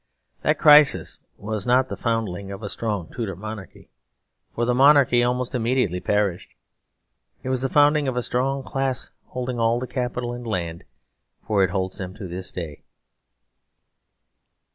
That crisis was not the foundling of a strong Tudor monarchy, for the monarchy almost immediately perished; it was the founding of a strong class holding all the capital and land, for it holds them to this day.